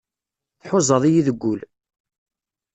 Tḥuzaḍ-iyi deg wul.